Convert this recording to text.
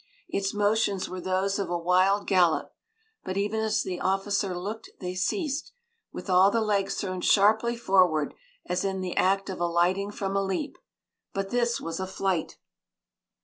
Its motions were those of a wild gallop, but even as the officer looked they ceased, with all the legs thrown sharply forward as in the act of alighting from a leap. But this was a flight!